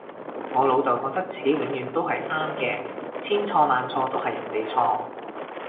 我老竇覺得自己永遠都係啱嘅，千錯萬錯都係人哋錯